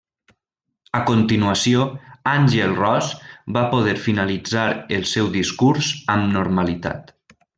A continuació Àngel Ros va poder finalitzar el seu discurs amb normalitat.